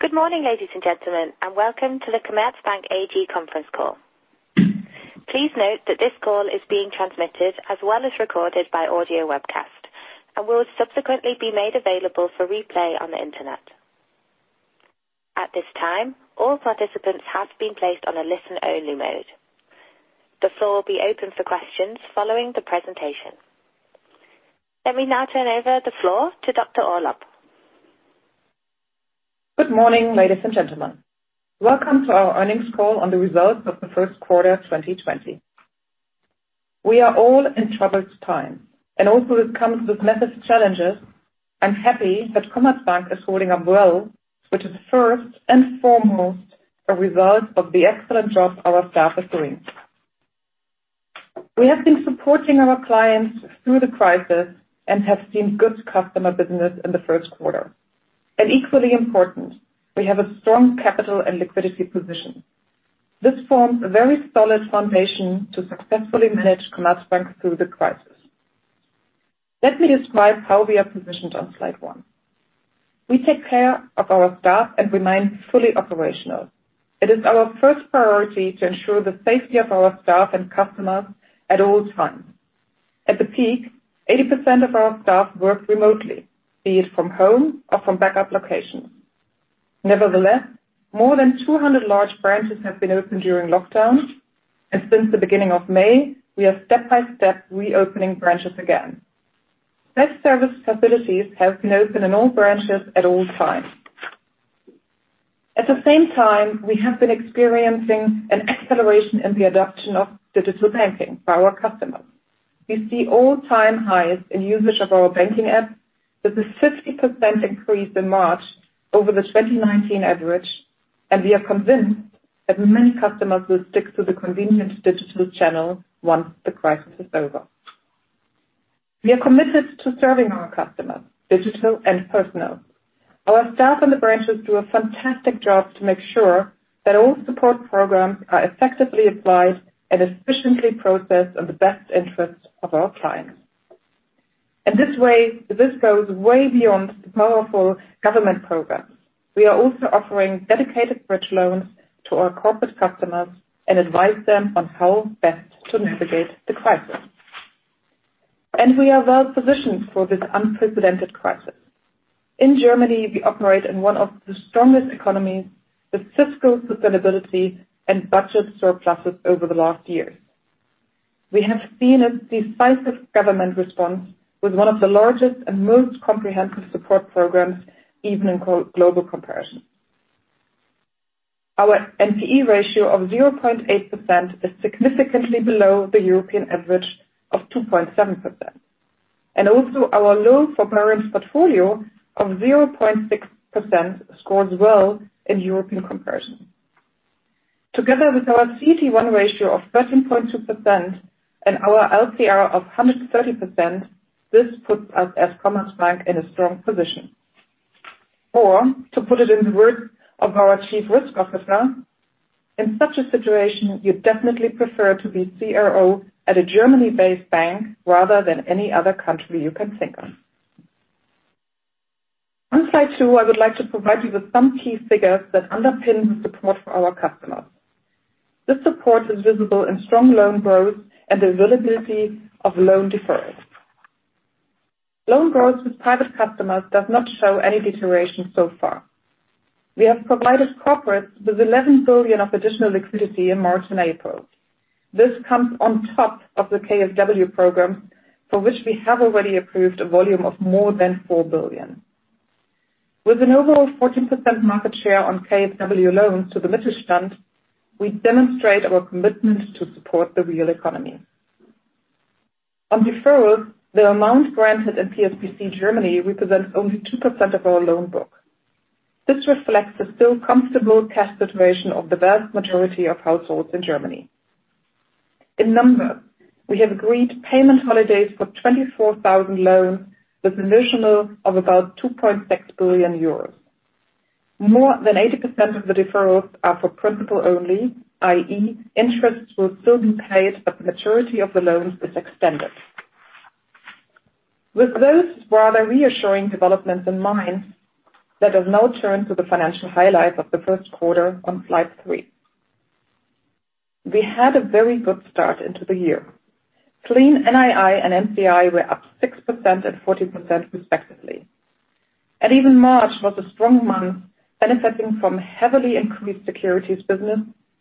Good morning, ladies and gentlemen, and welcome to the Commerzbank AG Conference Call. Please note that this call is being transmitted as well as recorded by audio webcast, and will subsequently be made available for replay on the internet. At this time, all participants have been placed on a listen-only mode. The floor will be open for questions following the presentation. Let me now turn over the floor to Dr. Orlopp. Good morning, ladies and gentlemen. Welcome to our earnings call on the results of the first quarter of 2020. We are all in troubled times, and although it comes with immense challenges, I'm happy that Commerzbank is holding up well, which is first and foremost a result of the excellent job our staff are doing. We have been supporting our clients through the crisis and have seen good customer business in the first quarter, and equally important, we have a strong capital and liquidity position. This forms a very solid foundation to successfully manage Commerzbank through the crisis. Let me describe how we are positioned on slide one. We take care of our staff and remain fully operational. It is our first priority to ensure the safety of our staff and customers at all times. At the peak, 80% of our staff worked remotely, be it from home or from backup locations. Nevertheless, more than 200 large branches have been open during lockdown, and since the beginning of May, we are step by step reopening branches again. Self service facilities have been open in all branches at all times. At the same time, we have been experiencing an acceleration in the adoption of digital banking for our customers. We see all-time highs in usage of our banking app. This is a 50% increase in March over the 2019 average, and we are convinced that many customers will stick to the convenient digital channel once the crisis is over. We are committed to serving our customers, digital and personal. Our staff and the branches do a fantastic job to make sure that all support programs are effectively applied and efficiently processed in the best interest of our clients. In this way, this goes way beyond the powerful government programs. We are also offering dedicated bridge loans to our corporate customers and advise them on how best to navigate the crisis, and we are well positioned for this unprecedented crisis. In Germany, we operate in one of the strongest economies with fiscal sustainability and budget surpluses over the last years. We have seen a decisive government response with one of the largest and most comprehensive support programs, even in global comparison. Our NPE ratio of 0.8% is significantly below the European average of 2.7%, and also, our low forbearance portfolio of 0.6% scores well in European comparison. Together with our CET1 ratio of 13.2% and our LCR of 130%, this puts us, as Commerzbank, in a strong position, or to put it in the words of our Chief Risk Officer, "In such a situation, you definitely prefer to be CRO at a Germany-based bank rather than any other country you can think of." On slide two, I would like to provide you with some key figures that underpin the support for our customers. This support is visible in strong loan growth and the availability of loan deferrals. Loan growth with private customers does not show any deterioration so far. We have provided corporates with 11 billion of additional liquidity in March and April. This comes on top of the KfW programs, for which we have already approved a volume of more than 4 billion. With an overall 14% market share on KfW loans to the Mittelstand, we demonstrate our commitment to support the real economy. On deferrals, the amount granted in PSBC Germany represents only 2% of our loan book. This reflects the still comfortable cash situation of the vast majority of households in Germany. In numbers, we have agreed payment holidays for 24,000 loans with an additional of about 2.6 billion euros. More than 80% of the deferrals are for principal only, i.e., interest will still be paid, but the maturity of the loans is extended. With those rather reassuring developments in mind, let us now turn to the financial highlights of the first quarter on slide three. We had a very good start into the year. Clean NII and NCI were up 6% and 40% respectively. Even March was a strong month, benefiting from heavily increased securities business,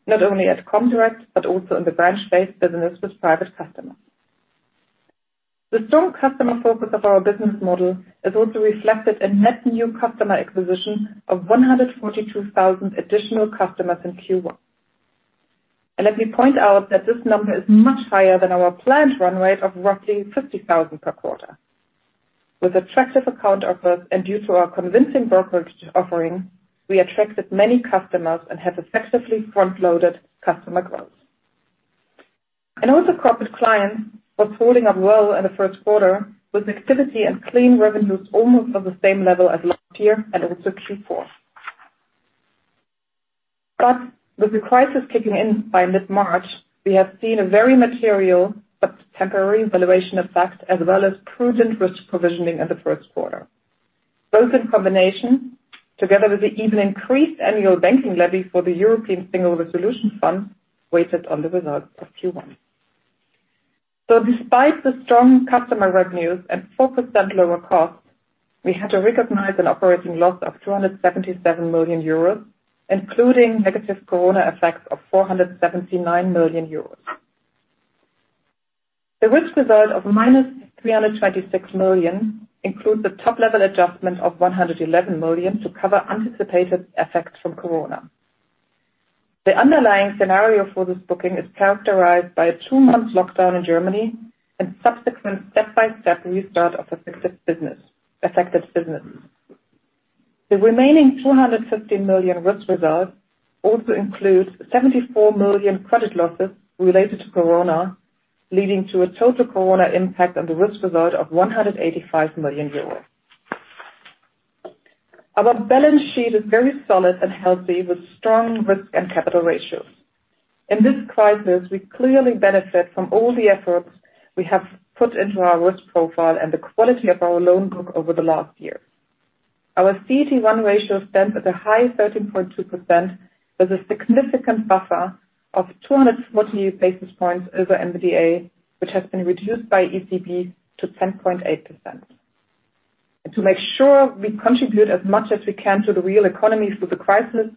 not only at Comdirect, but also in the branch-based business with private customers. The strong customer focus of our business model is also reflected in net new customer acquisition of 142,000 additional customers in Q1. Let me poin Both in combination, together with the even increased annual banking levy for the European Single Resolution Fund, weighed on the results of Q1, so despite the strong customer revenues and 4% lower costs, we had to recognize an operating loss of 277 million euros, including negative Corona effects of 479 million euros. The risk result of minus 326 million includes a top-level adjustment of 111 million to cover anticipated effects from Corona. The underlying scenario for this booking is characterized by a two-month lockdown in Germany and subsequent step-by-step restart of affected business. The remaining 250 million risk result also includes 74 million credit losses related to Corona, leading to a total Corona impact on the risk result of 185 million euros. Our balance sheet is very solid and healthy, with strong risk and capital ratios. In this crisis, we clearly benefit from all the efforts we have put into our risk profile and the quality of our loan book over the last year. Our CET1 ratio stands at a high 13.2%, with a significant buffer of 240 basis points over MDA, which has been reduced by ECB to 10.8%. And to make sure we contribute as much as we can to the real economy through the crisis,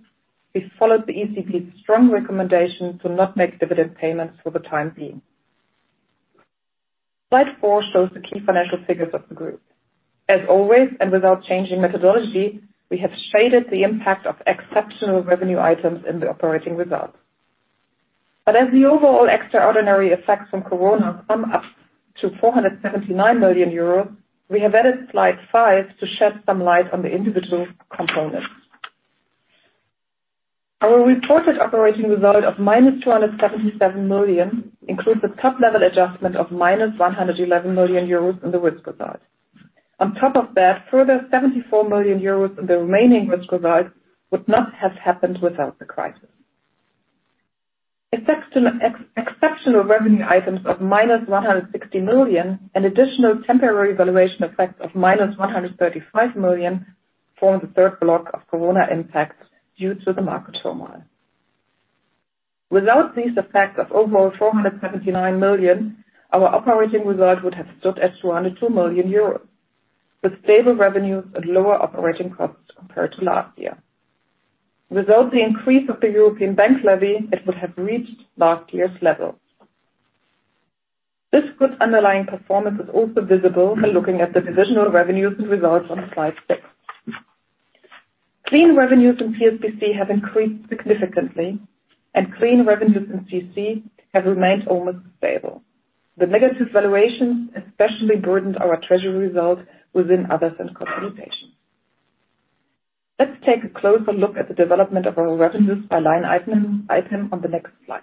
we followed the ECB's strong recommendation to not make dividend payments for the time being. Slide four shows the key financial figures of the group. As always, and without changing methodology, we have shaded the impact of exceptional revenue items in the operating result. But as the overall extraordinary effects from Corona sum up to 479 million euros, we have added slide five to shed some light on the individual components. Our reported operating result of minus 277 million includes a top-level adjustment of minus 111 million euros in the risk result. On top of that, further 74 million euros in the remaining risk result would not have happened without the crisis. Exceptional revenue items of minus 160 million and additional temporary valuation effects of minus 135 million form the third block of Corona impacts due to the market turmoil. Without these effects of overall 479 million, our operating result would have stood at 202 million euros, with stable revenues and lower operating costs compared to last year. Without the increase of the European bank levy, it would have reached last year's levels. This good underlying performance is also visible when looking at the divisional revenues and results on slide six. Clean revenues in PSBC have increased significantly, and clean revenues in CC have remained almost stable. The negative valuations especially burdened our treasury result within other central computations. Let's take a closer look at the development of our revenues by line item on the next slide.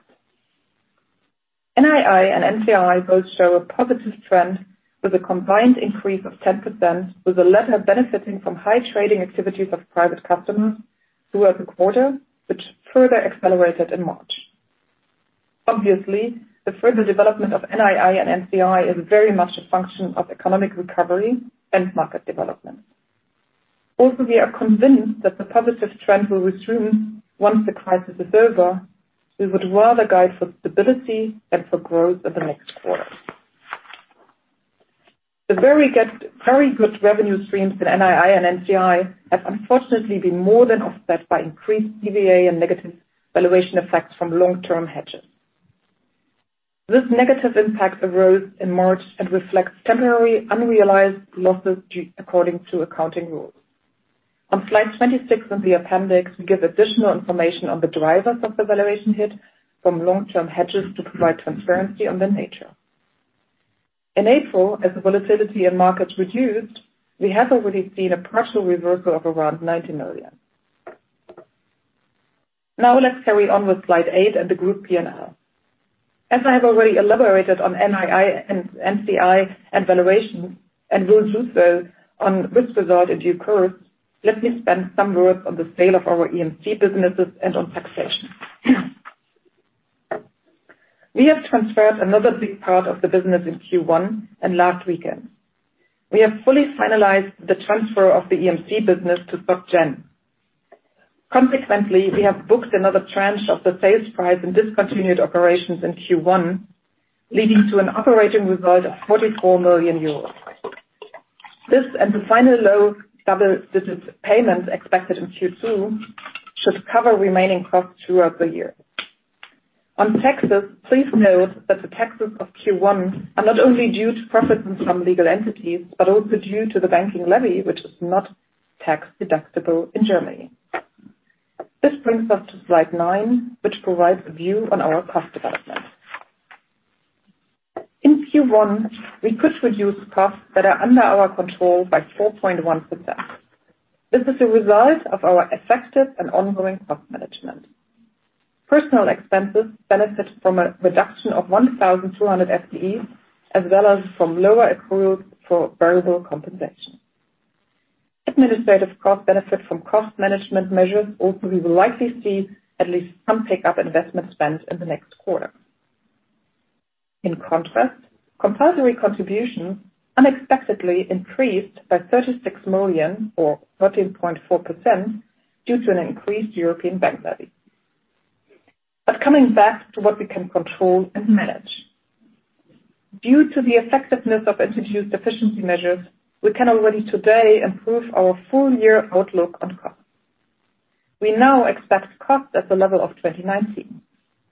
NII and NCI both show a positive trend with a combined increase of 10%, with the latter benefiting from high trading activities of private customers throughout the quarter, which further accelerated in March. Obviously, the further development of NII and NCI is very much a function of economic recovery and market development. Also, we are convinced that the positive trend will resume once the crisis is over. We would rather guide for stability than for growth in the next quarter. The very good revenue streams in NII and NCI have unfortunately been more than offset by increased CVA and negative valuation effects from long-term hedges. This negative impact arose in March and reflects temporary unrealized losses according to accounting rules. On slide 26 in the appendix, we give additional information on the drivers of the valuation hit from long-term hedges to provide transparency on the nature. In April, as the volatility in markets reduced, we have already seen a partial reversal of around 90 million. Now, let's carry on with slide eight and the group P&L. As I have already elaborated on NII and NCI and valuation, and will do so on risk result in due course, let me spend some words on the sale of our EMC businesses and on taxation. We have transferred another big part of the business in Q1 and last weekend. We have fully finalized the transfer of the EMC business to Société Générale. Consequently, we have booked another tranche of the sales price in discontinued operations in Q1, leading to an operating result of 44 million euros. This and the final low double-digit payments expected in Q2 should cover remaining costs throughout the year. On taxes, please note that the taxes of Q1 are not only due to profits from legal entities, but also due to the banking levy, which is not tax-deductible in Germany. This brings us to slide nine, which provides a view on our cost development. In Q1, we could reduce costs that are under our control by 4.1%. This is a result of our effective and ongoing cost management. Personal expenses benefit from a reduction of 1,200 FTEs, as well as from lower accruals for variable compensation. Administrative costs benefit from cost management measures, although we will likely see at least some pickup investment spent in the next quarter. In contrast, compulsory contributions unexpectedly increased by 36 million or 13.4% due to an increased European bank levy. But coming back to what we can control and manage. Due to the effectiveness of introduced efficiency measures, we can already today improve our full-year outlook on costs. We now expect costs at the level of 2019.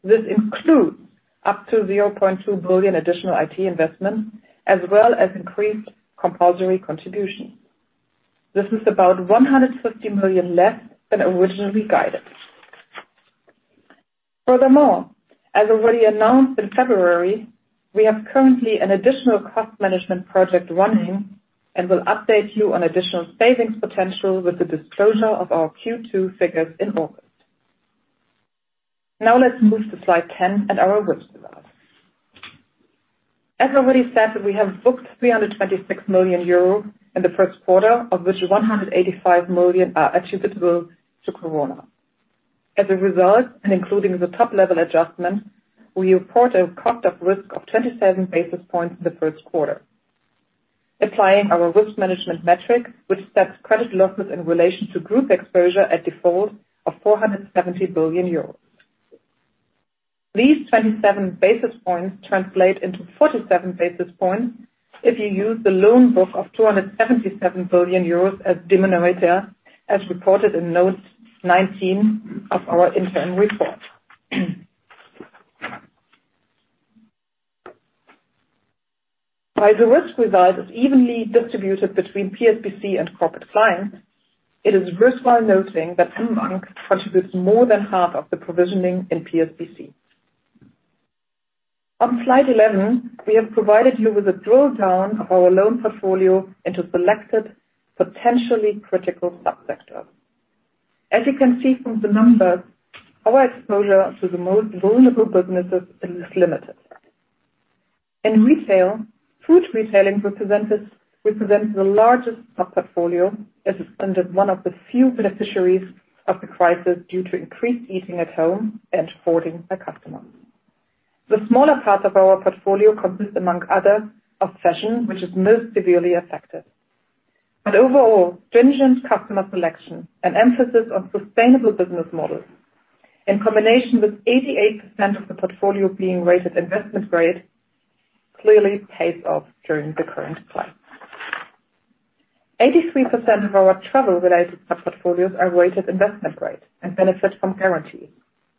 This includes up to 0.2 billion additional IT investments, as well as increased compulsory contributions. This is about 150 million less than originally guided. Furthermore, as already announced in February, we have currently an additional cost management project running and will update you on additional savings potential with the disclosure of our Q2 figures in August. Now, let's move to slide 10 and our risk result. As already said, we have booked 326 million euro in the first quarter, of which 185 million are attributable to Corona. As a result, and including the top-level adjustment, we report a cost of risk of 27 basis points in the first quarter, applying our risk management metric, which sets credit losses in relation to group exposure at default of 470 billion euros. These 27 basis points translate into 47 basis points if you use the loan book of 277 billion euros as denominator, as reported in note 19 of our internal report. While the risk result is evenly distributed between PSBC and Corporate Clients, it is worthwhile noting that mBank contributes more than half of the provisioning in PSBC. On slide 11, we have provided you with a drill down of our loan portfolio into selected potentially critical subsectors. As you can see from the numbers, our exposure to the most vulnerable businesses is limited. In retail, food retailing represents the largest sub-portfolio, as it's one of the few beneficiaries of the crisis due to increased eating at home and hoarding by customers. The smaller part of our portfolio consists, among others, of fashion, which is most severely affected. But overall, stringent customer selection and emphasis on sustainable business models, in combination with 88% of the portfolio being rated investment grade, clearly pays off during the current crisis. 83% of our travel-related sub-portfolios are rated investment grade and benefit from guarantees.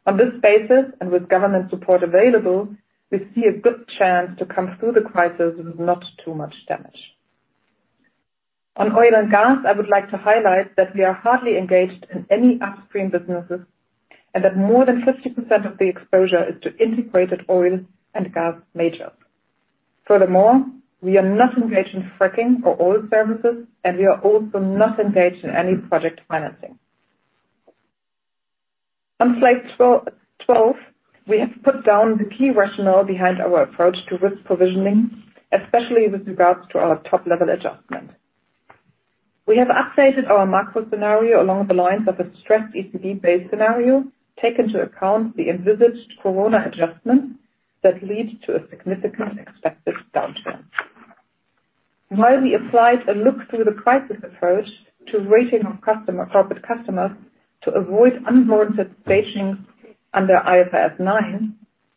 On this basis, and with government support available, we see a good chance to come through the crisis with not too much damage. On oil and gas, I would like to highlight that we are hardly engaged in any upstream businesses and that more than 50% of the exposure is to integrated oil and gas majors. Furthermore, we are not engaged in fracking or oil services, and we are also not engaged in any project financing. On slide 12, we have put down the key rationale behind our approach to risk provisioning, especially with regards to our top-level adjustment. We have updated our macro scenario along the lines of a stressed ECB-based scenario, taking into account the envisaged Corona adjustments that lead to a significant expected downturn. While we applied a look-through-the-crisis approach to rating of corporate customers to avoid unwarranted stagings under IFRS 9,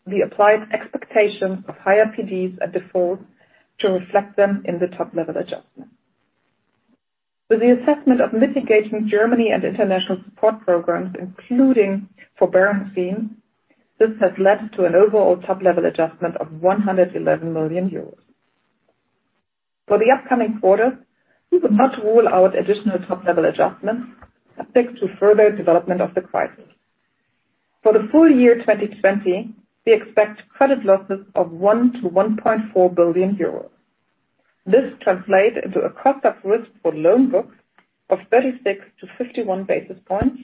we applied expectations of higher PDs at default to reflect them in the top-level adjustment. With the assessment of mitigating Germany and international support programs, including forbearance schemes, this has led to an overall top-level adjustment of 111 million euros. For the upcoming quarter, we will not rule out additional top-level adjustments affecting further development of the crisis. For the full year 2020, we expect credit losses of 1 billion-1.4 billion euros. This translates into a cost of risk for loan books of 36-51 basis points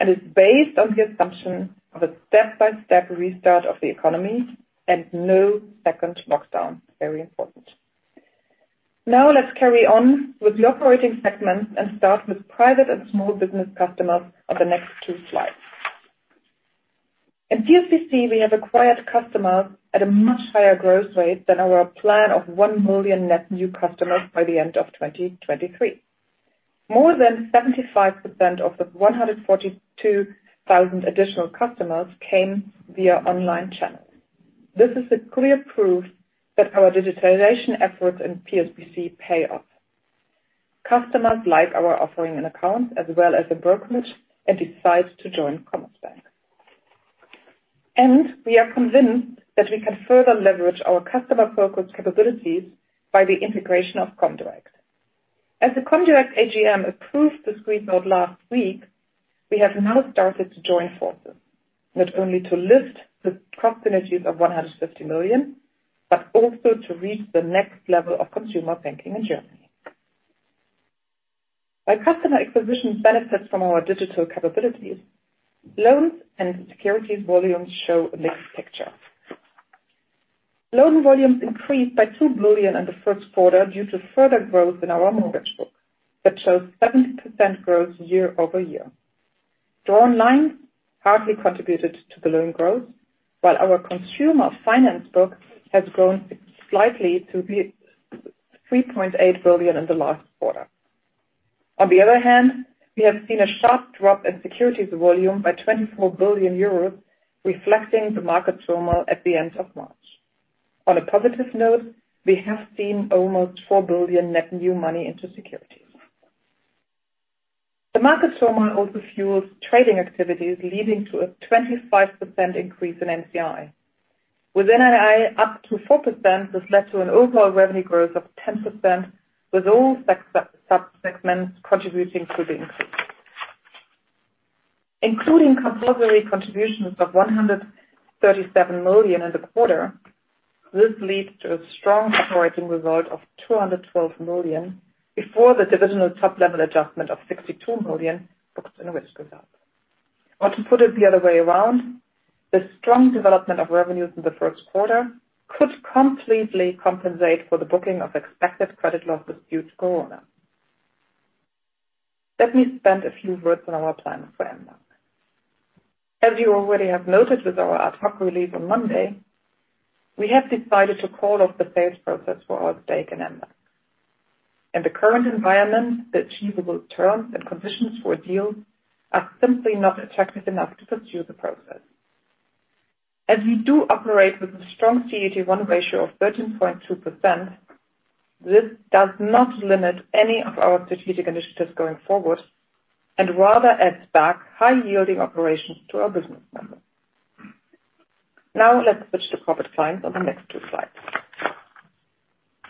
and is based on the assumption of a step-by-step restart of the economy and no second lockdown. Very important. Now, let's carry on with the operating segment and start with Private and Small-Business Customers on the next two slides. In PSBC, we have acquired customers at a much higher growth rate than our plan of 1 million net new customers by the end of 2023. More than 75% of the 142,000 additional customers came via online channels. This is a clear proof that our digitization efforts in PSBC pay off. Customers like our offering and accounts, as well as the brokerage, decide to join Commerzbank. And we are convinced that we can further leverage our customer-focused capabilities by the integration of Comdirect. As the Comdirect AGM approved this report last week, we have now started to join forces, not only to lift the cost synergies of 150 million, but also to reach the next level of consumer banking in Germany. By customer acquisition benefits from our digital capabilities, loans and securities volumes show a mixed picture. Loan volumes increased by 2 billion in the first quarter due to further growth in our mortgage book that shows 70% growth year over year. Drawn lines hardly contributed to the loan growth, while our consumer finance book has grown slightly to 3.8 billion in the last quarter. On the other hand, we have seen a sharp drop in securities volume by 24 billion euros, reflecting the market turmoil at the end of March. On a positive note, we have seen almost 4 billion net new money into securities. The market turmoil also fuels trading activities, leading to a 25% increase in NCI. With NII up to 4%, this led to an overall revenue growth of 10%, with all subsegments contributing to the increase. Including compulsory contributions of 137 million in the quarter, this leads to a strong operating result of 212 million before the divisional top-level adjustment of 62 million booked in risk result. Or to put it the other way around, the strong development of revenues in the first quarter could completely compensate for the booking of expected credit losses due to Corona. Let me spend a few words on our plan for mBank. As you already have noted with our ad hoc release on Monday, we have decided to call off the sales process for our stake in mBank. In the current environment, the achievable terms and conditions for a deal are simply not attractive enough to pursue the process. As we do operate with a strong CET1 ratio of 13.2%, this does not limit any of our strategic initiatives going forward and rather adds back high-yielding operations to our business members. Now, let's switch to Corporate Clients on the next two slides.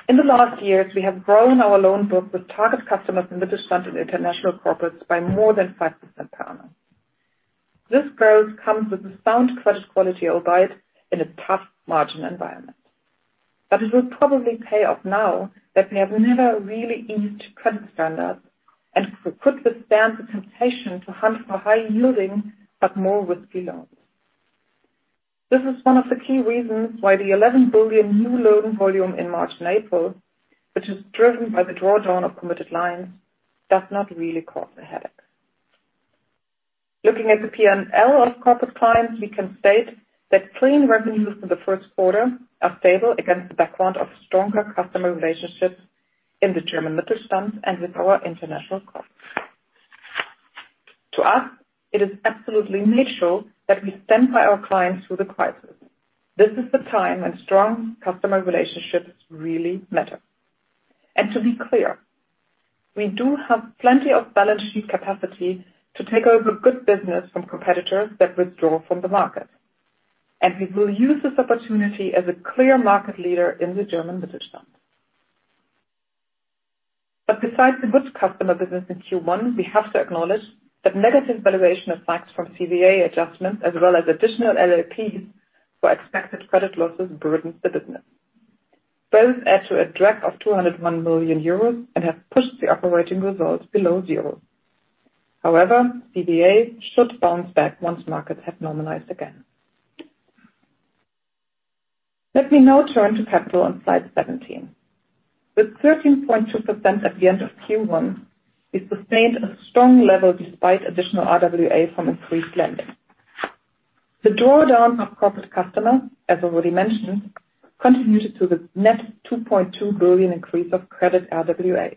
In the last years, we have grown our loan book with target customers in Mittelstand and international corporates by more than 5% per annum. This growth comes with a sound credit quality albeit in a tough margin environment. But it will probably pay off now that we have never really eased credit standards and could withstand the temptation to hunt for high-yielding but more risky loans. This is one of the key reasons why the 11 billion new loan volume in March and April, which is driven by the drawdown of committed lines, does not really cause a headache. Looking at the P&L of corporate clients, we can state that clean revenues for the first quarter are stable against the background of stronger customer relationships in the German Mittelstand and with our international corporates. To us, it is absolutely natural that we stand by our clients through the crisis. This is the time when strong customer relationships really matter. And to be clear, we do have plenty of balance sheet capacity to take over good business from competitors that withdraw from the market. And we will use this opportunity as a clear market leader in the German Mittelstand. But besides the good customer business in Q1, we have to acknowledge that negative valuation effects from CVA adjustments, as well as additional LLPs for expected credit losses, burdened the business. Both add to a drag of 201 million euros and have pushed the operating result below zero. However, CVA should bounce back once markets have normalized again. Let me now turn to capital on slide 17. With 13.2% at the end of Q1, we sustained a strong level despite additional RWA from increased lending. The drawdown of corporate customers, as already mentioned, contributed to the net 2.2 billion increase of credit RWA.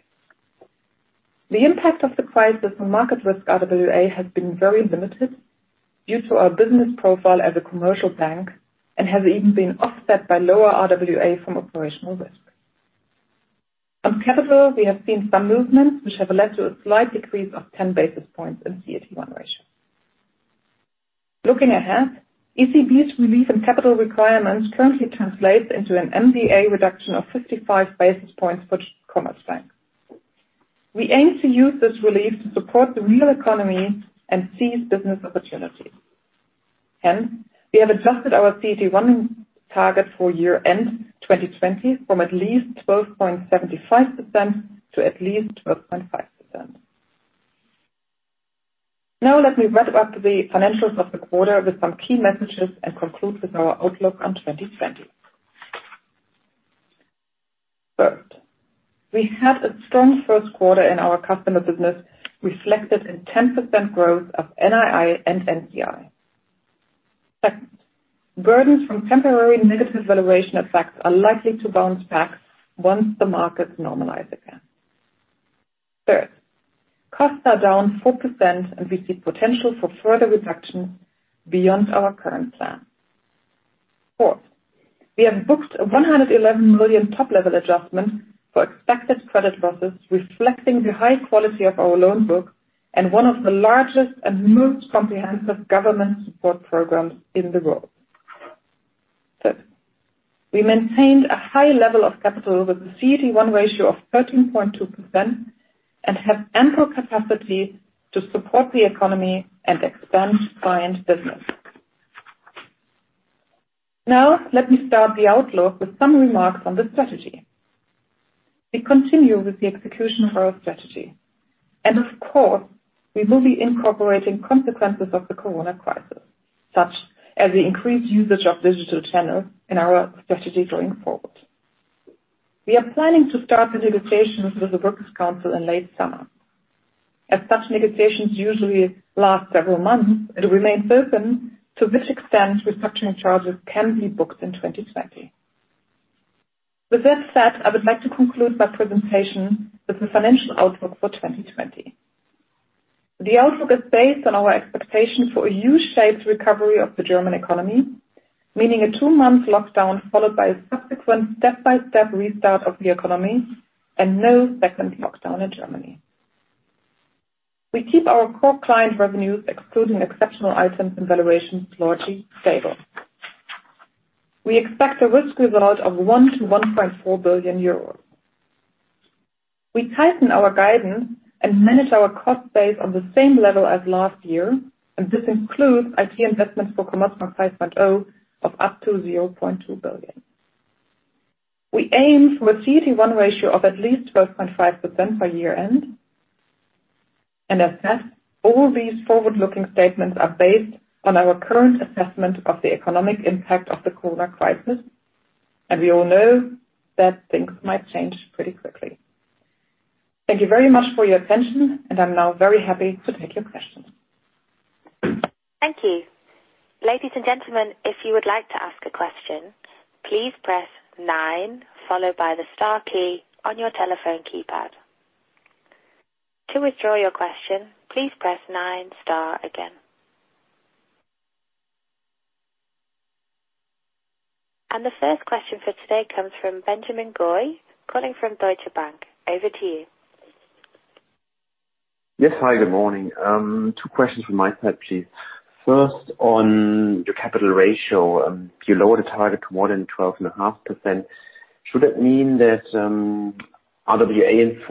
The impact of the crisis on market risk RWA has been very limited due to our business profile as a commercial bank and has even been offset by lower RWA from operational risk. On capital, we have seen some movements, which have led to a slight decrease of 10 basis points in CET1 ratio. Looking ahead, ECB's relief in capital requirements currently translates into an MDA reduction of 55 basis points for Commerzbank. We aim to use this relief to support the real economy and seize business opportunities. Hence, we have adjusted our CET1 target for year-end 2020 from at least 12.75% to at least 12.5%. Now, let me wrap up the financials of the quarter with some key messages and conclude with our outlook on 2020. First, we had a strong first quarter in our customer business reflected in 10% growth of NII and NCI. Second, burdens from temporary negative valuation effects are likely to bounce back once the markets normalize again. Third, costs are down 4%, and we see potential for further reductions beyond our current plan. Fourth, we have booked a 111 million top-level adjustment for expected credit losses, reflecting the high quality of our loan book and one of the largest and most comprehensive government support programs in the world. Fifth, we maintained a high level of capital with a CET1 ratio of 13.2% and have ample capacity to support the economy and expand client business. Now, let me start the outlook with some remarks on the strategy. We continue with the execution of our strategy, and of course, we will be incorporating consequences of the Corona crisis, such as the increased usage of digital channels in our strategy going forward. We are planning to start the negotiations with the Works Council in late summer. As such negotiations usually last several months, it remains open to which extent restructuring charges can be booked in 2020. With that said, I would like to conclude my presentation with the financial outlook for 2020. The outlook is based on our expectation for a U-shaped recovery of the German economy, meaning a two-month lockdown followed by a subsequent step-by-step restart of the economy and no second lockdown in Germany. We keep our core client revenues, excluding exceptional items and valuations, largely stable. We expect a risk result of 1-1.4 billion euros. We tighten our guidance and manage our cost base on the same level as last year, and this includes IT investment for Commerzbank 5.0 of up to 0.2 billion. We aim for a CET1 ratio of at least 12.5% by year-end, and as said, all these forward-looking statements are based on our current assessment of the economic impact of the Corona crisis, and we all know that things might change pretty quickly. Thank you very much for your attention, and I'm now very happy to take your questions. Thank you. Ladies and gentlemen, if you would like to ask a question, please press nine followed by the star key on your telephone keypad. To withdraw your question, please press nine star again. And the first question for today comes from Benjamin Goy, calling from Deutsche Bank. Over to you. Yes, hi, good morning. Two questions from my side, please. First, on your capital ratio, you lowered the target to more than 12.5%. Should it mean that RWA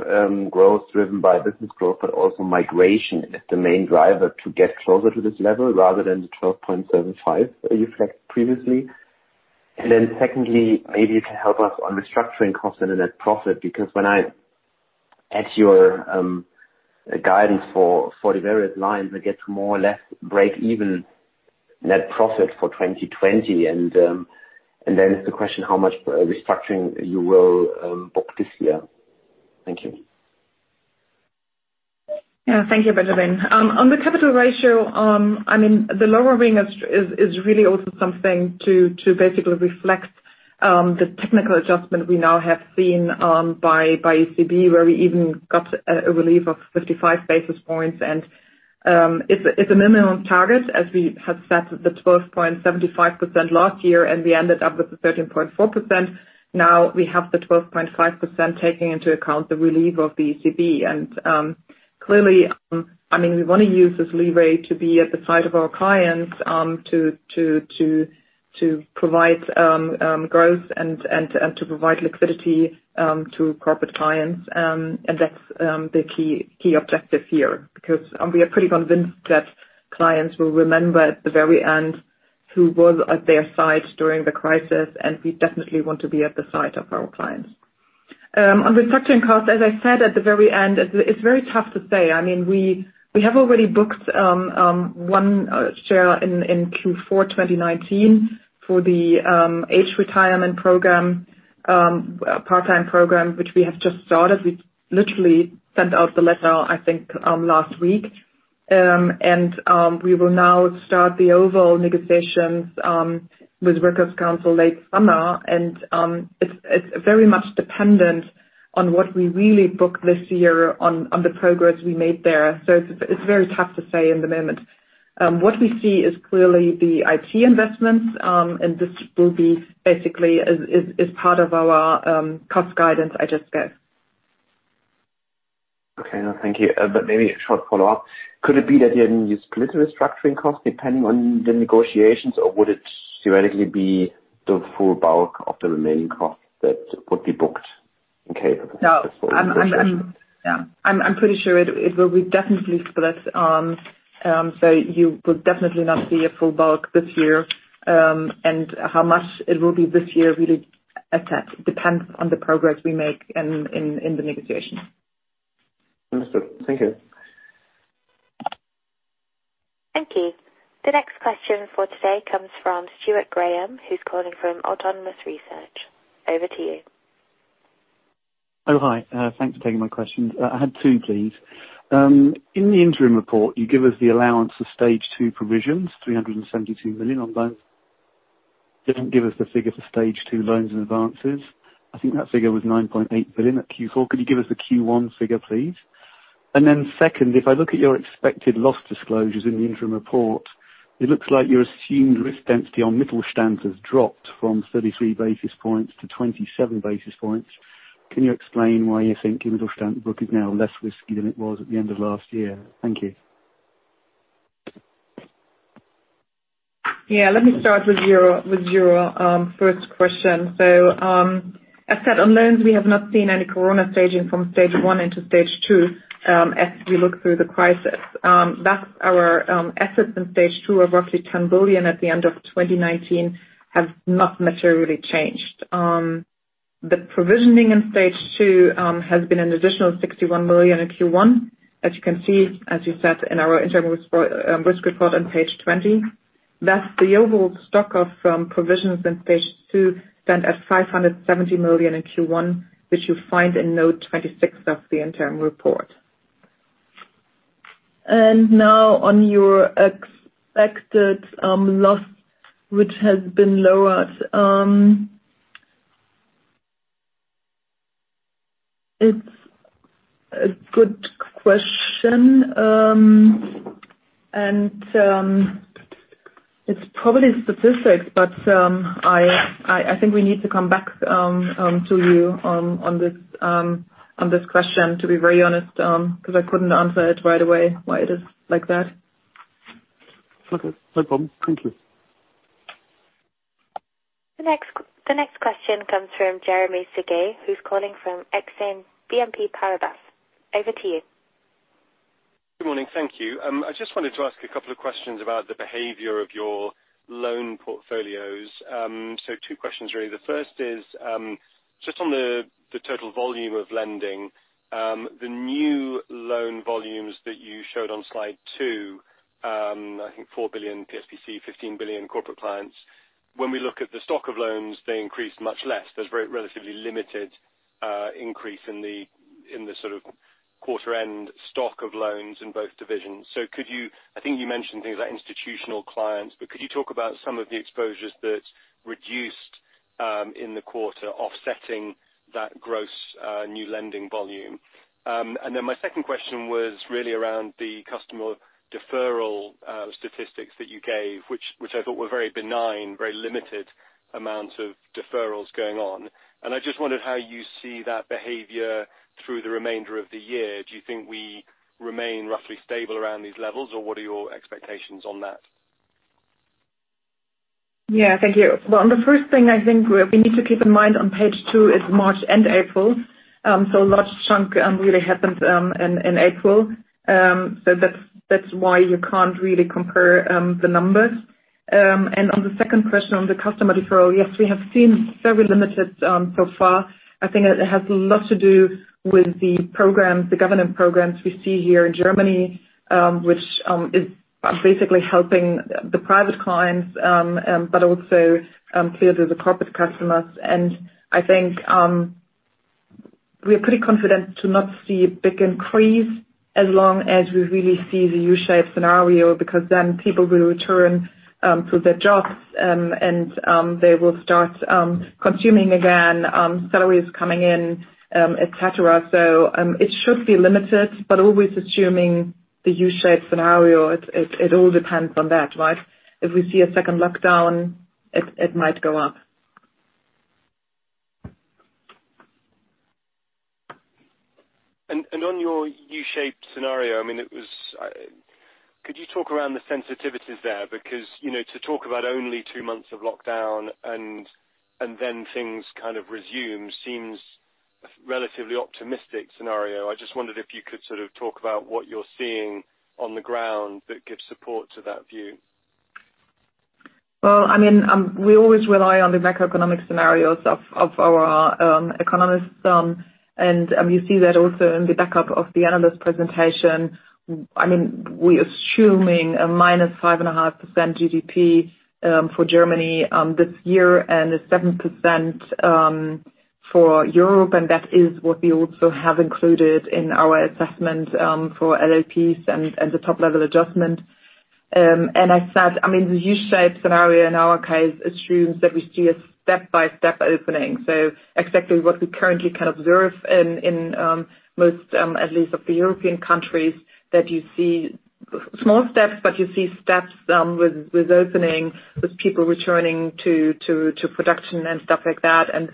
growth driven by business growth, but also migration, is the main driver to get closer to this level rather than the 12.75 you flagged previously? And then secondly, maybe you can help us on restructuring cost and net profit, because when I add your guidance for the various lines, I get to more or less break-even net profit for 2020. And then it's the question how much restructuring you will book this year. Thank you. Yeah, thank you, Benjamin. On the capital ratio, I mean, the lower ring is really also something to basically reflect the technical adjustment we now have seen by ECB, where we even got a relief of 55 basis points. And it's a minimum target, as we had set the 12.75% last year, and we ended up with the 13.4%. Now we have the 12.5% taking into account the relief of the ECB. And clearly, I mean, we want to use this leeway to be at the side of our clients to provide growth and to provide liquidity to corporate clients. That's the key objective here, because we are pretty convinced that clients will remember at the very end who was at their side during the crisis, and we definitely want to be at the side of our clients. On restructuring costs, as I said at the very end, it's very tough to say. I mean, we have already booked one share in Q4 2019 for the age retirement program, part-time program, which we have just started. We literally sent out the letter, I think, last week. We will now start the overall negotiations with Works Council late summer. It's very much dependent on what we really book this year on the progress we made there. It's very tough to say in the moment. What we see is clearly the IT investments, and this will be basically part of our cost guidance, I just guess. Okay, thank you. But maybe a short follow-up. Could it be that you hadn't used split restructuring costs depending on the negotiations, or would it theoretically be the full bulk of the remaining costs that would be booked in case of a split restructuring? Yeah, I'm pretty sure it will be definitely split. So you will definitely not see a full bulk this year. And how much it will be this year really depends on the progress we make in the negotiations. Understood. Thank you. Thank you. The next question for today comes from Stuart Graham, who's calling from Autonomous Research. Over to you. Oh, hi. Thanks for taking my question. I had two, please. In the interim report, you give us the allowance for Stage 2 provisions, 372 million on loans. You don't give us the figure for Stage 2 loans and advances. I think that figure was 9.8 billion at Q4. Could you give us the Q1 figure, please? And then second, if I look at your expected loss disclosures in the interim report, it looks like your assumed risk density on Mittelstand dropped from 33 basis points to 27 basis points. Can you explain why you think your Mittelstand book is now less risky than it was at the end of last year? Thank you. Yeah, let me start with your first question. So as said, on loans, we have not seen any Corona staging from Stage one into Stage 2 as we look through the crisis. That's our assets in Stage 2 of roughly 10 billion at the end of 2019 have not materially changed. The provisioning in Stage 2 has been an additional 61 million in Q1, as you can see, as you said in our interim risk report on page 20. That's the overall stock of provisions in Stage 2 stood at 570 million in Q1, which you find in note 26 of the interim report, and now on your expected loss, which has been lowered, it's a good question, and it's probably statistics, but I think we need to come back to you on this question, to be very honest, because I couldn't answer it right away why it is like that. Okay, no problem. Thank you. The next question comes from Jeremy Sigee, who's calling from Exane BNP Paribas. Over to you. Good morning. Thank you. I just wanted to ask a couple of questions about the behavior of your loan portfolios. So two questions, really. The first is just on the total volume of lending, the new loan volumes that you showed on slide two, I think 4 billion PSBC, 15 billion corporate clients, when we look at the stock of loans, they increase much less. There's a relatively limited increase in the sort of quarter-end stock of loans in both divisions. So I think you mentioned things like institutional clients, but could you talk about some of the exposures that reduced in the quarter, offsetting that gross new lending volume? And then my second question was really around the customer deferral statistics that you gave, which I thought were very benign, very limited amounts of deferrals going on. And I just wondered how you see that behavior through the remainder of the year. Do you think we remain roughly stable around these levels, or what are your expectations on that? Yeah, thank you. The first thing I think we need to keep in mind on page two is March and April. A large chunk really happened in April. That's why you can't really compare the numbers. On the second question on the customer deferral, yes, we have seen very limited so far. I think it has a lot to do with the government programs we see here in Germany, which is basically helping the private clients, but also clearly the corporate customers. I think we are pretty confident to not see a big increase as long as we really see the U-shaped scenario, because then people will return to their jobs and they will start consuming again, salaries coming in, etc. It should be limited, but always assuming the U-shaped scenario. It all depends on that, right? If we see a second lockdown, it might go up. On your U-shaped scenario, I mean, could you talk around the sensitivities there? Because to talk about only two months of lockdown and then things kind of resume seems a relatively optimistic scenario. I just wondered if you could sort of talk about what you're seeing on the ground that gives support to that view. I mean, we always rely on the macroeconomic scenarios of our economists. You see that also in the backup of the analyst presentation. I mean, we are assuming a minus 5.5% GDP for Germany this year and 7% for Europe. That is what we also have included in our assessment for LLPs and the top-level adjustment. As said, I mean, the U-shaped scenario in our case assumes that we see a step-by-step opening. So exactly what we currently can observe in most, at least, of the European countries, that you see small steps, but you see steps with opening, with people returning to production and stuff like that. And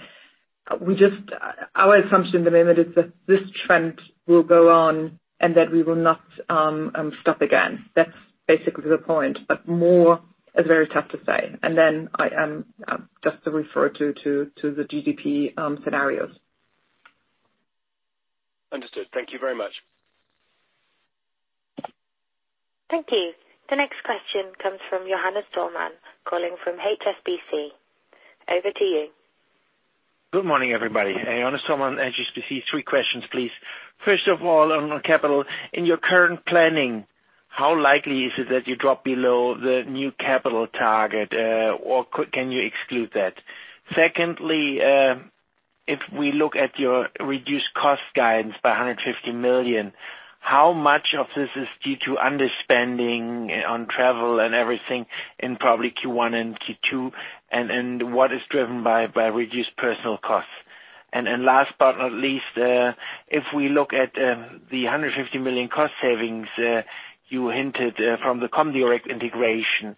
our assumption at the moment is that this trend will go on and that we will not stop again. That's basically the point. But more is very tough to say. And then just to refer to the GDP scenarios. Understood. Thank you very much. Thank you. The next question comes from Johannes Thormann, calling from HSBC. Over to you. Good morning, everybody. Johannes Thormann, HSBC, three questions, please. First of all, on capital, in your current planning, how likely is it that you drop below the new capital target, or can you exclude that? Secondly, if we look at your reduced cost guidance by 150 million, how much of this is due to underspending on travel and everything in probably Q1 and Q2, and what is driven by reduced personal costs? And last but not least, if we look at the 150 million cost savings you hinted from the Comdirect integration,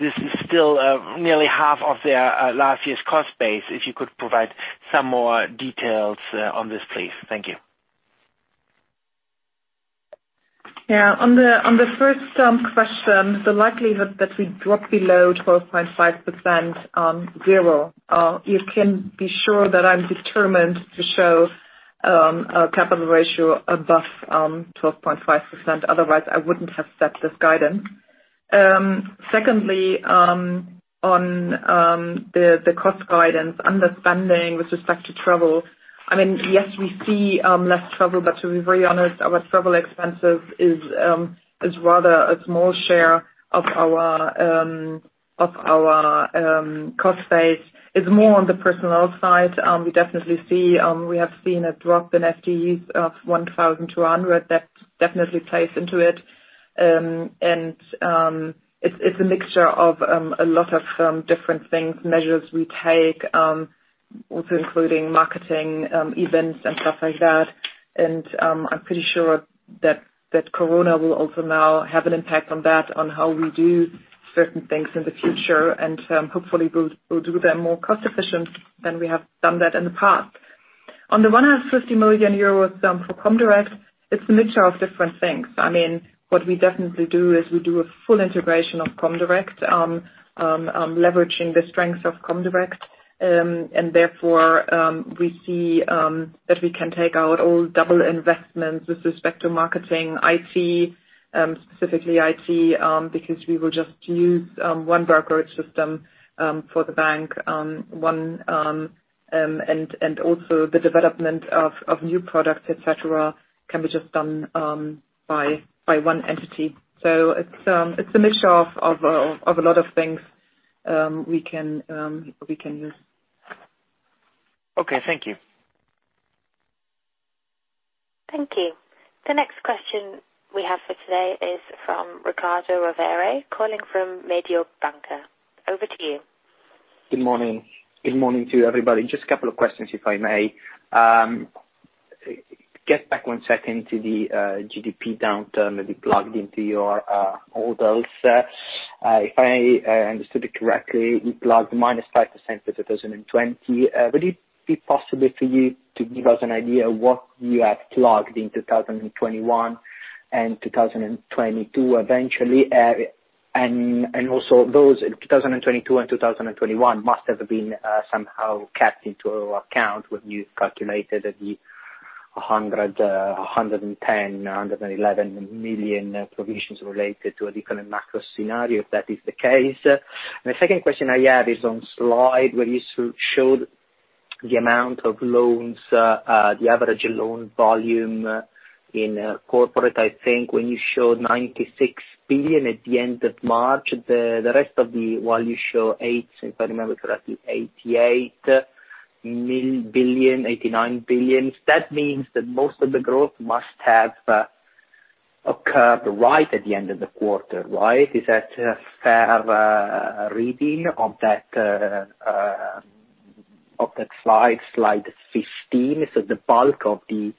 this is still nearly half of their last year's cost base. If you could provide some more details on this, please. Thank you. Yeah, on the first question, the likelihood that we drop below 12.5%, zero, you can be sure that I'm determined to show a capital ratio above 12.5%. Otherwise, I wouldn't have set this guidance. Secondly, on the cost guidance, underspending with respect to travel, I mean, yes, we see less travel, but to be very honest, our travel expenses is rather a small share of our cost base. It's more on the personal side. We definitely see we have seen a drop in FTEs of 1,200. That definitely plays into it, and it's a mixture of a lot of different things, measures we take, also including marketing events and stuff like that, and I'm pretty sure that Corona will also now have an impact on that, on how we do certain things in the future, and hopefully, we'll do them more cost-efficient than we have done that in the past. On the 150 million euro for Comdirect, it's a mixture of different things. I mean, what we definitely do is we do a full integration of Comdirect, leveraging the strengths of Comdirect, and therefore, we see that we can take out all double investments with respect to marketing, IT, specifically IT, because we will just use one workload system for the bank. And also, the development of new products, etc., can be just done by one entity. So it's a mixture of a lot of things we can use. Okay, thank you. Thank you. The next question we have for today is from Ricardo Rovere, calling from Mediobanca. Over to you. Good morning. Good morning to everybody. Just a couple of questions, if I may. Going back one second to the GDP downturn that you plugged into your models. If I understood it correctly, you plugged minus 5% in 2020. Would it be possible for you to give us an idea of what you have plugged in 2021 and 2022 eventually? And also, those 2022 and 2021 must have been somehow taken into account when you calculated the 110-111 million provisions related to a different macro scenario if that is the case. And the second question I have is on slide where you showed the amount of loans, the average loan volume in corporate, I think, when you showed 96 billion at the end of March. The rest of the while you show 88, if I remember correctly, 88 billion-89 billion. That means that most of the growth must have occurred right at the end of the quarter, right? Is that a fair reading of that slide, slide 15? So the bulk of the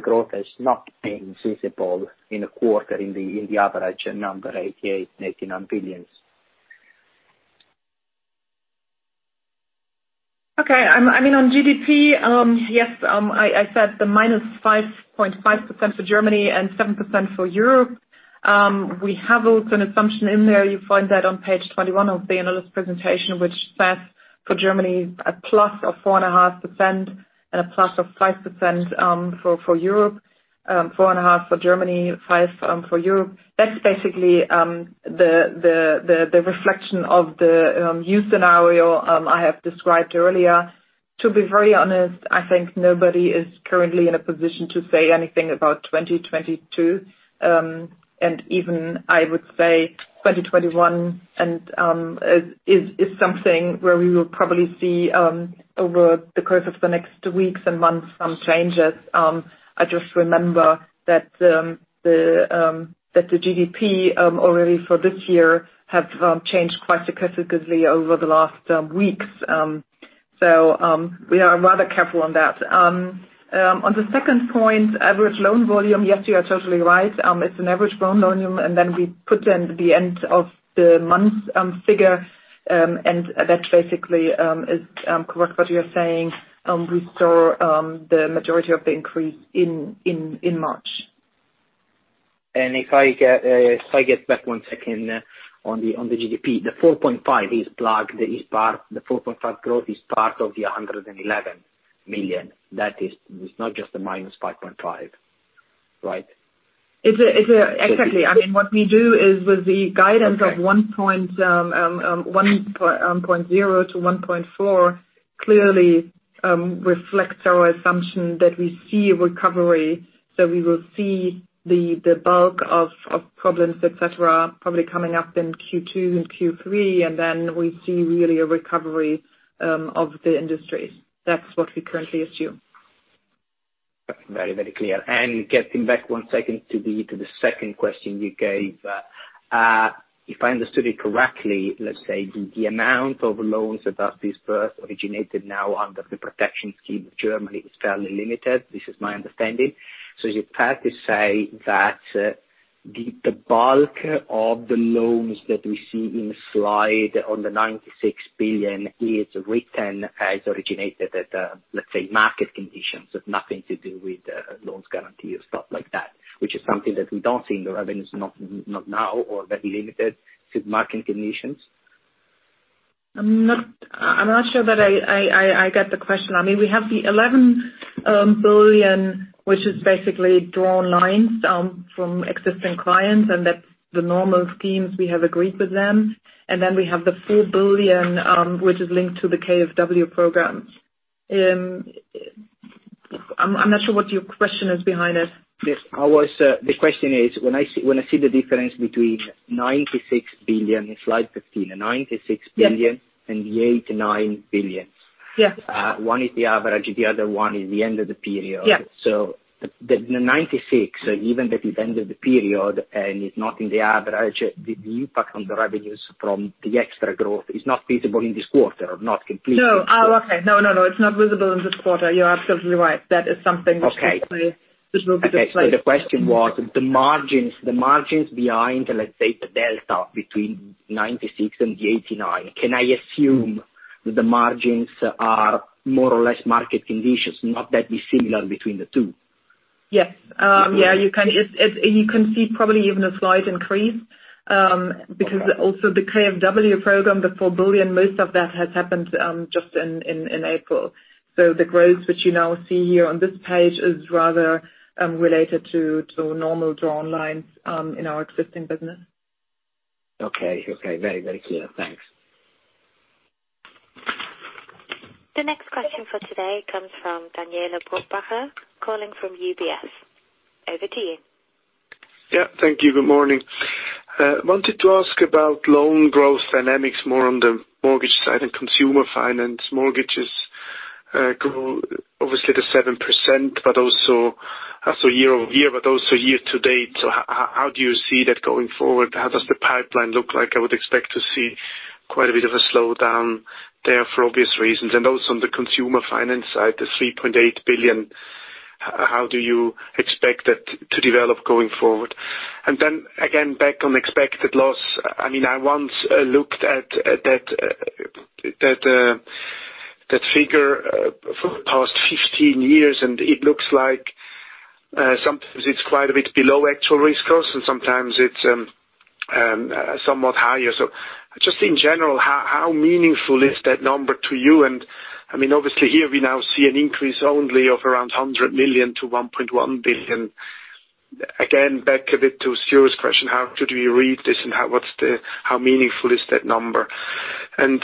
growth has not been visible in a quarter in the average number, 88-89 billion. Okay. I mean, on GDP, yes, I said the -5.5% for Germany and 7% for Europe. We have also an assumption in there. You find that on page 21 of the analyst presentation, which says for Germany, a plus of 4.5% and a plus of 5% for Europe, 4.5% for Germany, 5% for Europe. That's basically the reflection of the new scenario I have described earlier. To be very honest, I think nobody is currently in a position to say anything about 2022 and even, I would say, 2021 is something where we will probably see over the course of the next weeks and months some changes. I just remember that the GDP already for this year has changed quite significantly over the last weeks, so we are rather careful on that. On the second point, average loan volume, yes, you are totally right. It's an average loan volume, and then we put in the end of the month figure, and that basically is correct what you're saying. We saw the majority of the increase in March. And if I get back one second on the GDP, the 4.5 is part, the 4.5 growth is part of the 111 million. That is not just a minus 5.5, right? Exactly. I mean, what we do is with the guidance of 1.0 to 1.4 clearly reflects our assumption that we see a recovery. So we will see the bulk of problems, etc., probably coming up in Q2 and Q3. And then we see really a recovery of the industries. That's what we currently assume. Very, very clear. And getting back one second to the second question you gave. If I understood it correctly, let's say the amount of loans that are disbursed originated now under the protection scheme of Germany is fairly limited. This is my understanding. Is it fair to say that the bulk of the loans that we see in slide on the 96 billion is written as originated at, let's say, market conditions, nothing to do with loans guarantee or stuff like that, which is something that we don't see in the revenues, not now or very limited to market conditions? I'm not sure that I get the question. I mean, we have the 11 billion, which is basically drawn lines from existing clients. And that's the normal schemes we have agreed with them. And then we have the 4 billion, which is linked to the KfW program. I'm not sure what your question is behind it. The question is, when I see the difference between 96 billion in slide 15, 96 billion and the 89 billion, one is the average, the other one is the end of the period. So the 96, even that is end of the period and is not in the average, the impact on the revenues from the extra growth is not visible in this quarter or not completely. No. Oh, okay. No, no, no. It's not visible in this quarter. You're absolutely right. That is something which will be displayed. And the question was the margins behind, let's say, the delta between 96 and the 89. Can I assume that the margins are more or less market conditions, not that dissimilar between the two? Yes. Yeah, you can see probably even a slight increase because also the KfW program, the 4 billion, most of that has happened just in April. So the growth which you now see here on this page is rather related to normal drawn lines in our existing business. Okay. Okay. Very, very clear. Thanks. The next question for today comes from Daniele Brupbacher, calling from UBS. Over to you. Yeah. Thank you. Good morning. Wanted to ask about loan growth dynamics more on the mortgage side and consumer finance. Mortgages grow, obviously, to 7%, but also year over year, but also year to date. So how do you see that going forward? How does the pipeline look like? I would expect to see quite a bit of a slowdown there for obvious reasons. And also on the consumer finance side, the 3.8 billion, how do you expect that to develop going forward? And then again, back on expected loss, I mean, I once looked at that figure for the past 15 years, and it looks like sometimes it's quite a bit below actual risk costs, and sometimes it's somewhat higher. So just in general, how meaningful is that number to you? And I mean, obviously, here we now see an increase only of around 100 million to 1.1 billion. Again, back a bit to Stuart's question, how could we read this and how meaningful is that number? And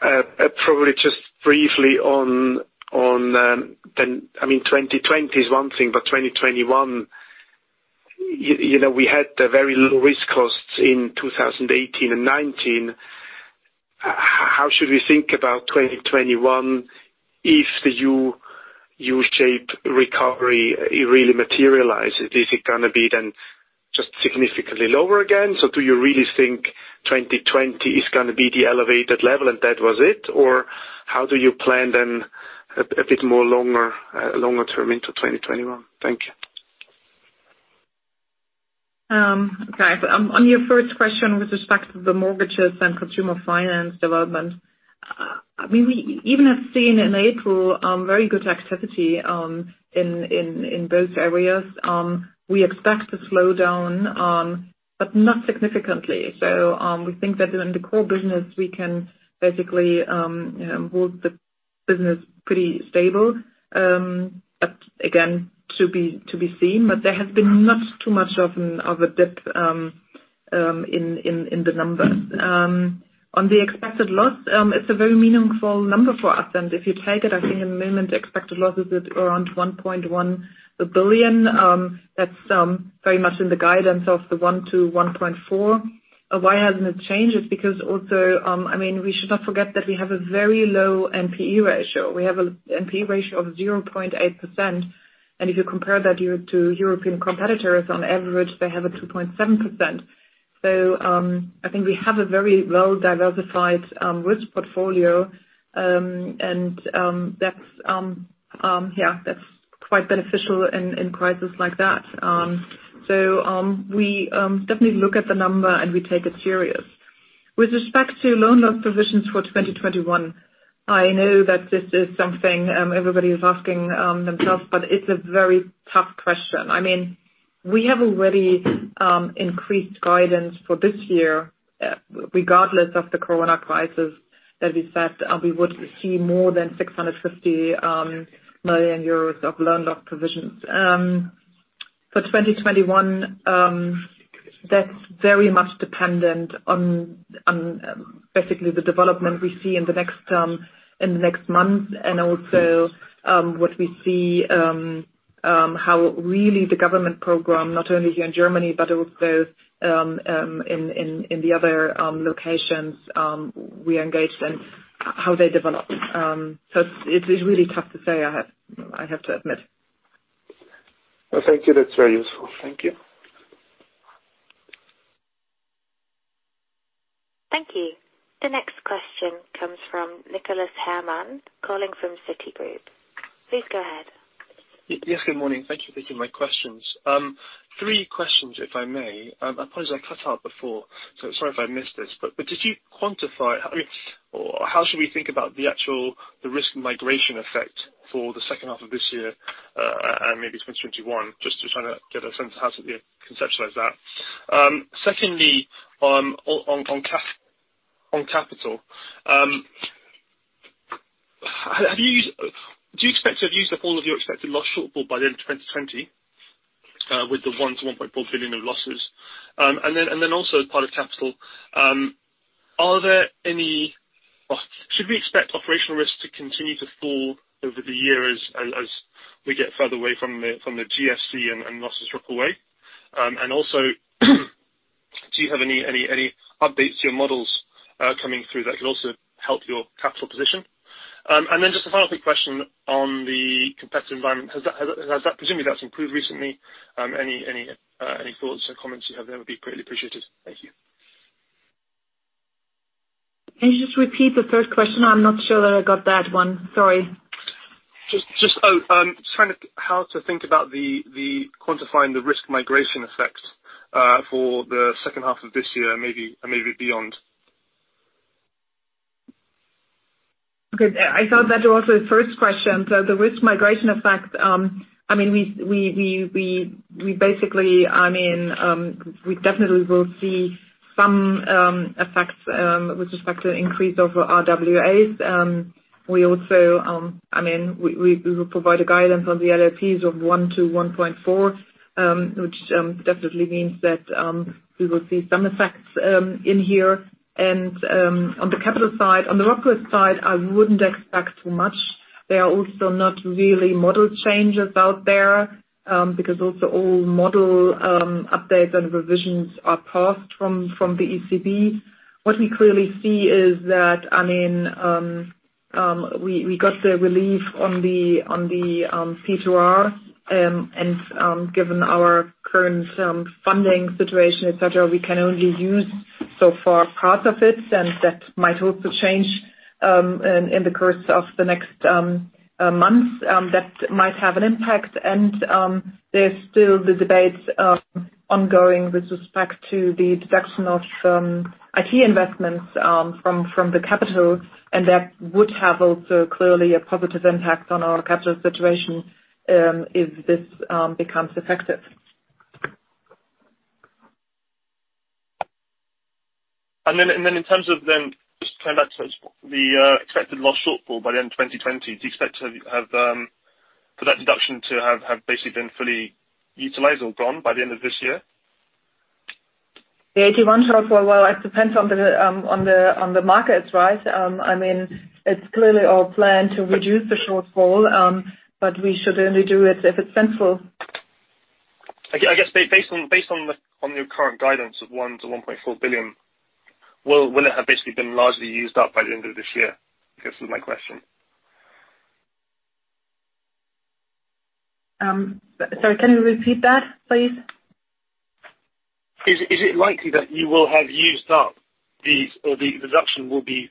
probably just briefly on then, I mean, 2020 is one thing, but 2021, we had very low risk costs in 2018 and 2019. How should we think about 2021 if the U-shaped recovery really materializes? Is it going to be then just significantly lower again? So do you really think 2020 is going to be the elevated level and that was it? Or how do you plan then a bit more longer term into 2021? Thank you. Okay. On your first question with respect to the mortgages and consumer finance development, I mean, we even have seen in April very good activity in both areas. We expect a slowdown, but not significantly. So we think that in the core business, we can basically hold the business pretty stable. But again, to be seen. But there has been not too much of a dip in the numbers. On the expected loss, it's a very meaningful number for us. And if you take it, I think in the moment, the expected loss is around 1.1 billion. That's very much in the guidance of the 1-1.4 billion. Why hasn't it changed? It's because also, I mean, we should not forget that we have a very low NPE ratio. We have an NPE ratio of 0.8%. And if you compare that to European competitors, on average, they have a 2.7%. So I think we have a very well-diversified risk portfolio. And yeah, that's quite beneficial in crisis like that. So we definitely look at the number and we take it serious. With respect to loan loss provisions for 2021, I know that this is something everybody is asking themselves, but it's a very tough question. I mean, we have already increased guidance for this year, regardless of the Corona crisis, that we said we would see more than 650 million euros of loan loss provisions. For 2021, that's very much dependent on basically the development we see in the next months and also what we see, how really the government program, not only here in Germany, but also in the other locations we are engaged in, how they develop. So it is really tough to say. I have to admit. Well, thank you. That's very useful. Thank you. Thank you. The next question comes from Nicholas Herman calling from Citigroup. Please go ahead. Yes. Good morning. Thank you for taking my questions. Three questions, if I may. I apologize. I cut out before. So sorry if I missed this. But did you quantify how should we think about the actual risk migration effect for the second half of this year and maybe 2021? Just to try to get a sense of how to conceptualize that. Secondly, on capital, do you expect to have used up all of your expected loss shortfall by the end of 2020 with the 1-1.4 billion of losses? And then also, as part of capital, are there any should we expect operational risk to continue to fall over the year as we get further away from the GFC and losses drop away? And also, do you have any updates to your models coming through that could also help your capital position? And then just a final quick question on the competitive environment. Presumably, that's improved recently. Any thoughts or comments you have there would be greatly appreciated. Thank you. Can you just repeat the third question? I'm not sure that I got that one. Sorry. Just kind of how to think about quantifying the risk migration effect for the second half of this year and maybe beyond. Okay. I thought that was the first question. So the risk migration effect, I mean, we basically I mean, we definitely will see some effects with respect to the increase of RWAs. We also, I mean, we will provide a guidance on the LLPs of 1-1.4, which definitely means that we will see some effects in here. And on the capital side, on the OpRisk side, I wouldn't expect too much. There are also not really model changes out there because also all model updates and revisions are passed from the ECB. What we clearly see is that, I mean, we got the relief on the P2Rs. And given our current funding situation, etc., we can only use so far parts of it. And that might also change in the course of the next months. That might have an impact. And there's still the debate ongoing with respect to the deduction of IT investments from the capital. And that would have also clearly a positive impact on our capital situation if this becomes effective. And then in terms of then just coming back to the expected loss shortfall by the end of 2020, do you expect for that deduction to have basically been fully utilized or gone by the end of this year? The AT1 shortfall, well, it depends on the markets, right? I mean, it's clearly our plan to reduce the shortfall, but we should only do it if it's sensible. I guess based on your current guidance of 1 billion-1.4 billion, will it have basically been largely used up by the end of this year? This is my question. Sorry. Can you repeat that, please? Is it likely that you will have used up or the deduction will be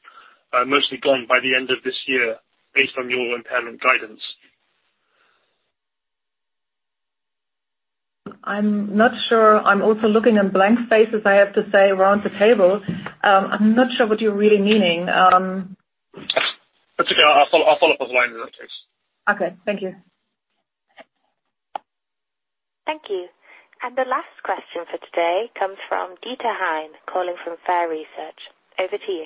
mostly gone by the end of this year based on your impairment guidance? I'm not sure. I'm also looking at blank faces, I have to say, around the table. I'm not sure what you're really meaning. That's okay. I'll follow up offline in that case. Okay. Thank you. Thank you. And the last question for today comes from Dieter Hein calling from Fairesearch. Over to you.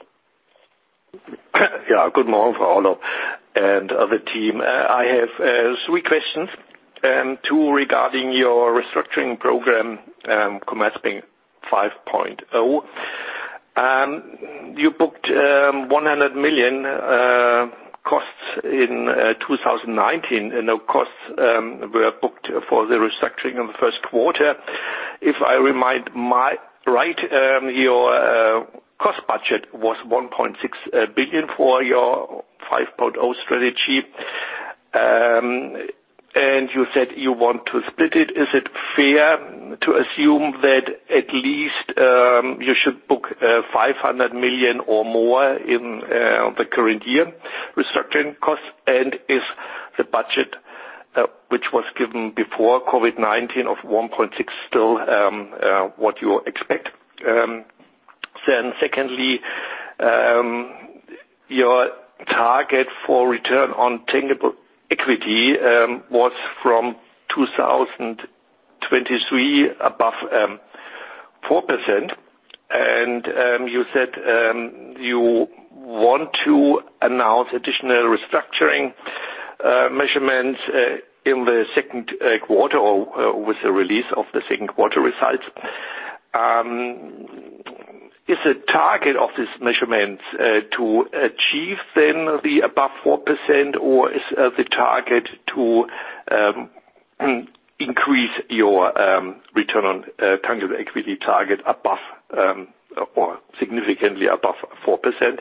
Yeah. Good morning, Orlopp and the team. I have three questions. Two regarding your restructuring program, Commerzbank 5.0. You booked 100 million costs in 2019, and the costs were booked for the restructuring of the first quarter. If I remember right, your cost budget was 1.6 billion for your 5.0 strategy, and you said you want to split it. Is it fair to assume that at least you should book 500 million or more in the current year restructuring costs, and is the budget which was given before COVID-19 of 1.6 billion still what you expect? Then secondly, your target for return on tangible equity was from 2023 above 4%, and you said you want to announce additional restructuring measures in the second quarter or with the release of the second quarter results. Is the target of these measures to achieve then the above 4%, or is the target to increase your return on tangible equity target significantly above 4%?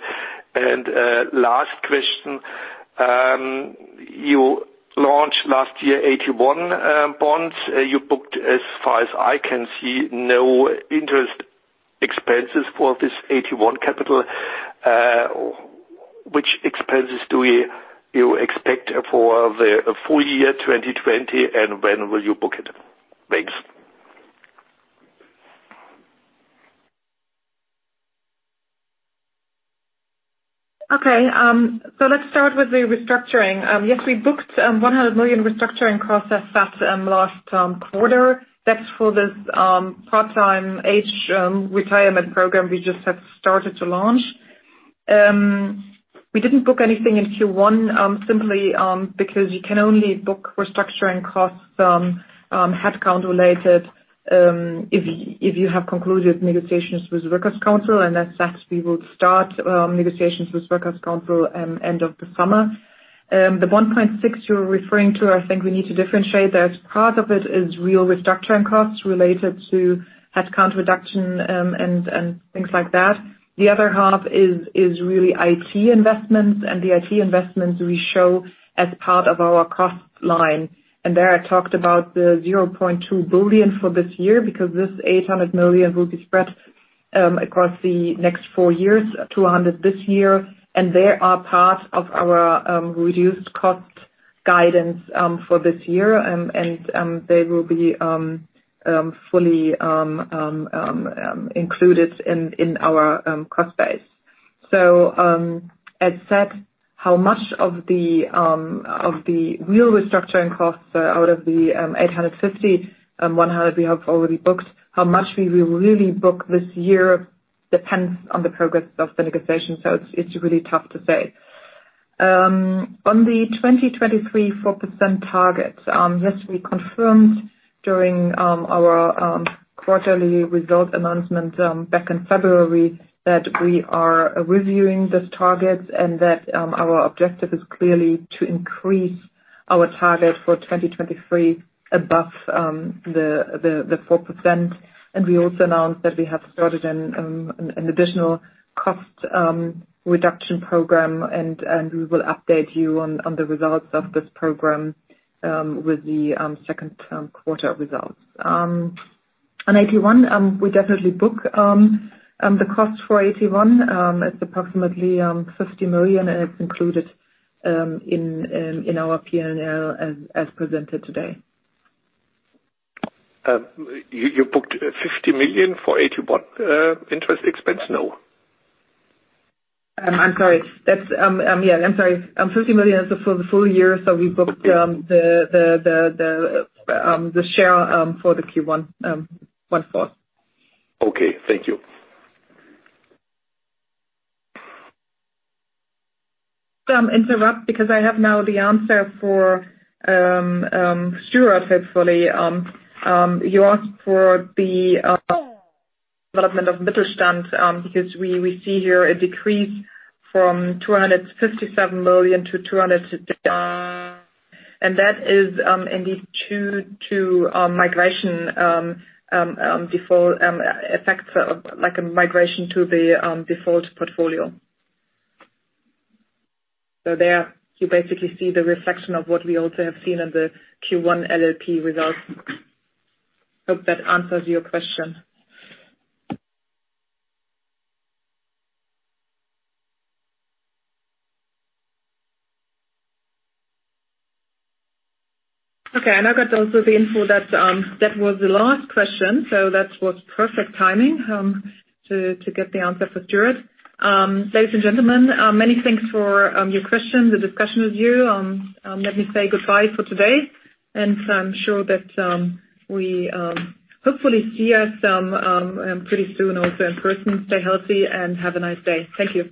And last question. You launched last year AT1 bonds. You booked, as far as I can see, no interest expenses for this AT1 capital. Which expenses do you expect for the full year 2020, and when will you book it? Thanks. Okay, so let's start with the restructuring. Yes, we booked 100 million restructuring costs that hit last quarter. That's for this part-time age retirement program we just have started to launch. We didn't book anything in Q1 simply because you can only book restructuring costs headcount-related if you have concluded negotiations with Works Council, and as such, we will start negotiations with Works Council end of the summer. The 1.6 you're referring to, I think we need to differentiate, that part of it is real restructuring costs related to headcount reduction and things like that. The other half is really IT investments, and the IT investments we show as part of our cost line. And there I talked about the 0.2 billion for this year because this 800 million will be spread across the next four years. 200 this year. And they are part of our reduced cost guidance for this year. And they will be fully included in our cost base. So as said, how much of the real restructuring costs out of the 850-100 we have already booked, how much we will really book this year depends on the progress of the negotiations. So it's really tough to say. On the 2023 4% target, yes, we confirmed during our quarterly result announcement back in February that we are reviewing this target and that our objective is clearly to increase our target for 2023 above the 4%. And we also announced that we have started an additional cost reduction program. We will update you on the results of this program with the second quarter results. On AT1, we definitely book the cost for AT1. It's approximately 50 million, and it's included in our P&L as presented today. You booked 50 million for AT1 interest expense? No. I'm sorry. Yeah. I'm sorry. 50 million is for the full year. So we booked the share for the Q1 1/4. Okay. Thank you. Interrupt because I have now the answer for Stuart, hopefully. You asked for the development of Mittelstand because we see here a decrease from 257 million to 200 million. And that is indeed due to migration effects, like a migration to the default portfolio. So there, you basically see the reflection of what we also have seen in the Q1 LLP results. Hope that answers your question. Okay. And I got also the info that that was the last question. So that was perfect timing to get the answer for Stuart. Ladies and gentlemen, many thanks for your questions, the discussion with you. Let me say goodbye for today. And I'm sure that we hopefully see you pretty soon also in person. Stay healthy and have a nice day. Thank you.